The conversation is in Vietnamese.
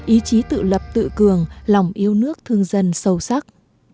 ý chí tự lập tự cường lòng yêu nước thương dân sâu sắc